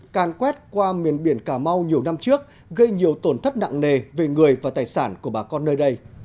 càn quét qua miền biển cà mau nhiều năm trước gây nhiều tổn thất nặng nề về người và tài sản của bà con nơi đây